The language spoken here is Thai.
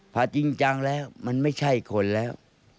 พอจริงจังแล้วมันไม่ใช่คนแล้ว